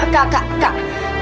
kak kak kak